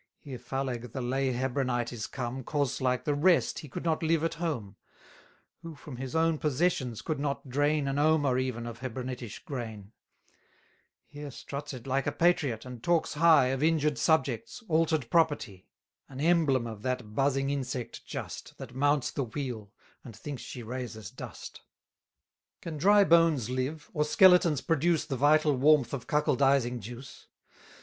Here Phaleg the lay Hebronite is come, 330 'Cause like the rest he could not live at home; Who from his own possessions could not drain An omer even of Hebronitish grain; Here struts it like a patriot, and talks high Of injured subjects, alter'd property: An emblem of that buzzing insect just, That mounts the wheel, and thinks she raises dust. Can dry bones live? or skeletons produce The vital warmth of cuckoldising juice?